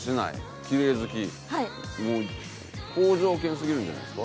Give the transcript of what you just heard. もう好条件すぎるんじゃないですか？